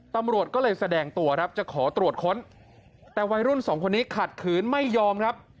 ตำรวจก็เลยแสดงตัวครับจะขอตรวจค้นแต่วัยรุ่นสองคนนี้ขัดขืนไม่ยอมครับ